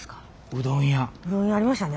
うどん屋ありましたね。